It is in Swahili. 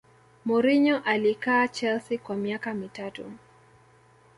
mourinho alikaa chelsea kwa miaka mitatu